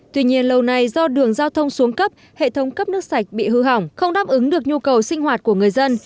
tuy nhiên lâu nay do đường giao thông xuống cấp hệ thống cấp nước sạch bị hư hỏng không đáp ứng được nhu cầu sinh hoạt của người dân